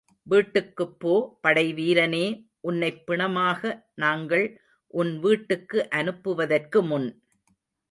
வீட்டுக்குப் போ படைவீரனே உன்னைப் பிணமாக நாங்கள் உன் வீட்டுக்கு அனுப்புவதற்கு முன்.